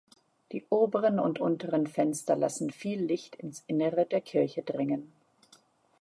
Die oberen und unteren Fenster lassen viel Licht ins Innere der Kirche dringen.